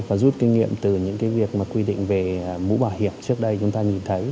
và rút kinh nghiệm từ những việc quy định về mũ bảo hiểm trước đây chúng ta nhìn thấy